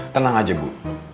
tenang aja bu